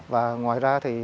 và ngoài ra thì